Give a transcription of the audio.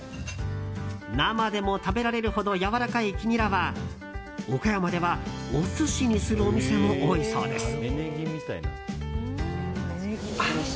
生でも食べられるほどやわらかい黄ニラは岡山ではお寿司にするお店も多いそうです。